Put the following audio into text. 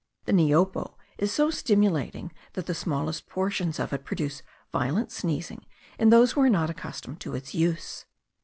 The niopo is so stimulating that the smallest portions of it produce violent sneezing in those who are not accustomed to its use.